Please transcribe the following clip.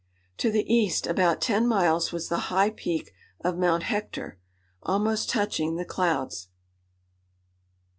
To the east about ten miles was the high peak of Mount Hector, almost touching the clouds.